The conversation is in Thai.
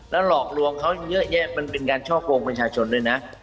แล้วหลอกลวงเขายังเยอะแยะมันเป็นการช่อโกงบัญชาชนเลยนะ